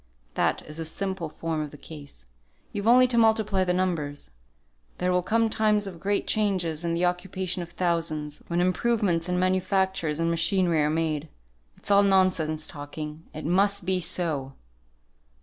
That is the simple form of the case; you've only to multiply the numbers. There will come times of great changes in the occupation of thousands, when improvements in manufactures and machinery are made. It's all nonsense talking, it must be so!"